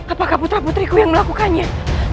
apakah putra putriku yang melakukannya